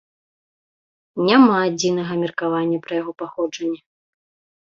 Няма адзінага меркавання пра яго паходжанне.